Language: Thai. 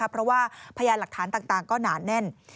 เพราะว่าพยานหลักฐานต่างก็หนาแน่น